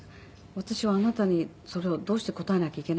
「私はあなたにそれをどうして答えなきゃいけないの？」。